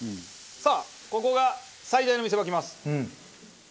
さあここが最大の見せ場きます。